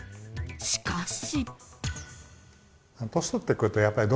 しかし。